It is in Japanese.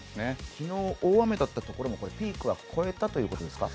昨日大雨だったところもピークは超えたということですか？